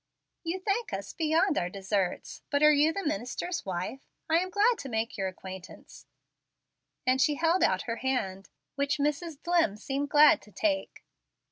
"You thank us beyond our deserts. But are you the minister's wife? I am glad to make your acquaintance"; and she held out her hand, which Mrs. Dlimm seemed glad to take.